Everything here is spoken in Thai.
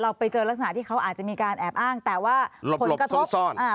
เราไปเจอลักษณะที่เขาอาจจะมีการแอบอ้างแต่ว่าหลบหลบซ้อนซ้อนอ่า